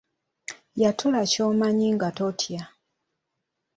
Yatula ky'omanyi nga totya.